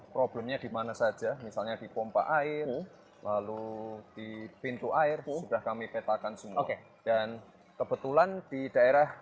problemnya dimana saja misalnya di pompa air lalu di pintu air sudah kami petakan semua dan kebetulan di daerah